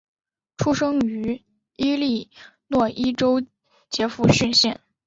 出生于伊利诺伊州杰佛逊县。